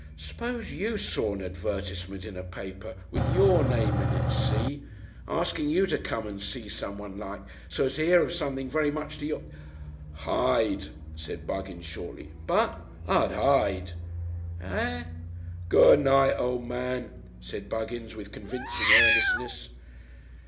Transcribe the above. "'Spose you saw an advertisement in a paper, with your name in it, see, asking you to come and see someone, like, so as to hear of something very much to your " "Hide," said Buggins shortly. "But " "I'd hide." "Er?" "Goonight, o' man," said Buggins, with convincing earnestness.